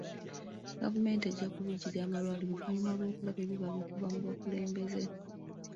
Gavumenti ejja kuvujjirira amalwaliro oluvannyuma lw'okulaba ebibala okuva mu bakulembeze.